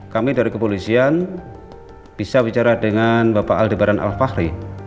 kami dari kepolisian bisa bicara dengan bapak aldebaran alfahri